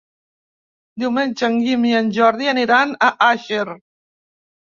Diumenge en Guim i en Jordi aniran a Àger.